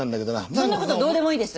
そんな事どうでもいいんです。